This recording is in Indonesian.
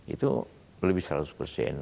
itu lebih seratus persen